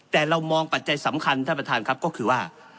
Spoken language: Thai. แต่เรามองปัจจัยสำคัญท่านประธานครับก็คือว่า